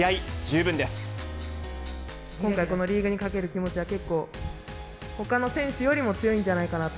今回、このリーグに懸ける気持ちは結構、ほかの選手よりも強いんじゃないかなと。